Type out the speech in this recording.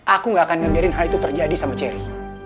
aku gak akan ngejarin hal itu terjadi sama cherry